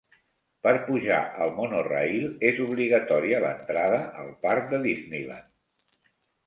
Per pujar al Monorail és obligatòria l'entrada al parc de Disneyland.